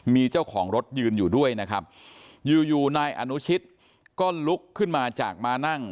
มีเจ้าของรถยืนอยู่ด้วยนะครับอยู่อยู่นายอนุชิตก็ลุกขึ้นมาจากมานั่ง